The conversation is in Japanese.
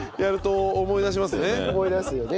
思い出すよね。